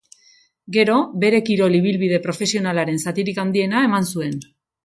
Gero, bere kirol ibilbide profesionalaren zatirik handiena eman zuen.